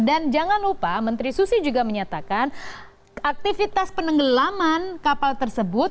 dan jangan lupa menteri susi juga menyatakan aktivitas penenggelaman kapal tersebut